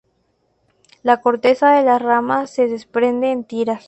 La corteza de las ramas se desprende en tiras.